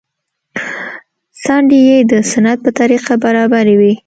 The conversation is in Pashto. څنډې يې د سنت په طريقه برابرې وې.